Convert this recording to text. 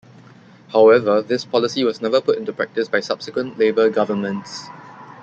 However, this policy was never put into practice by subsequent Labor governments.